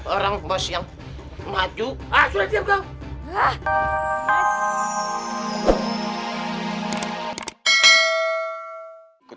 orang bos yang maju